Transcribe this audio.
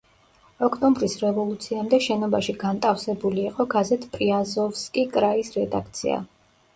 ოქტომბრის რევოლუციამდე შენობაში განტავსებული იყო გაზეთ „პრიაზოვსკი კრაის“ რედაქცია.